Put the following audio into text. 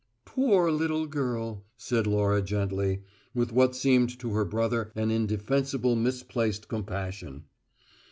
"Poor little girl!" said Laura gently, with what seemed to her brother an indefensibly misplaced compassion.